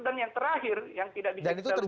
dan yang terakhir yang tidak bisa kita lupakan